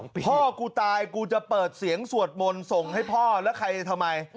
พ่อกูตายกูจะเปิดเสียงสวดมนต์ส่งให้พ่อแล้วใครทำไม